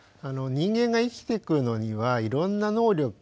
人間が生きていくのにはいろんな能力